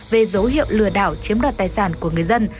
về dấu hiệu lừa đảo chiếm đoạt tài sản của người dân